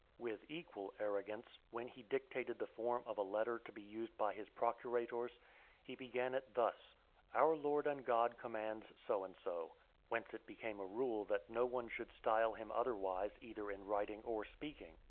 With equal arrogance, when he dictated the form of a letter to be used by his procurators, he began it thus: "Our lord and god commands so and so;" whence it became a rule that no one should (491) style him otherwise either in writing or speaking.